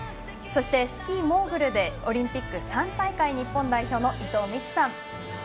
そしてスキー・モーグルでオリンピック３大会日本代表の伊藤みきさん。